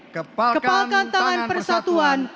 kepalkan tangan persatuan